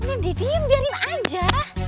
udah didiem biarin aja